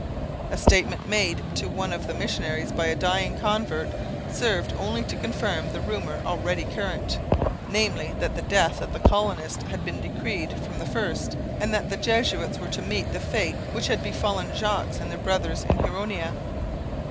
A statement made to one of the missionaries by a dying convert served only to confirm the rumour already current, namely, that the death of the colonists had been decreed from the first, and that the Jesuits were to meet the fate which had befallen Jogues and their brothers in Huronia.